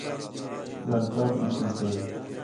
ٻِیال چَوک ݙِتّی سے